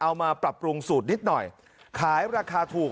เอามาปรับปรุงสูตรนิดหน่อยขายราคาถูก